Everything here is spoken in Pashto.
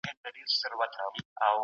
له سياست څخه بېلي پايلي لاسته راځي.